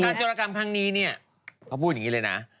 โจรกรรมครั้งนี้เนี่ยเขาพูดอย่างนี้เลยนะ